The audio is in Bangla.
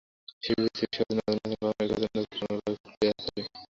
শেষে বিসিবি সভাপতি নাজমুল হাসান পাপনের প্রতি একটা অনুরোধ করি, আমার বাড়ি কুলিয়ারচরে।